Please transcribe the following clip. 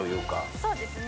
そうですね。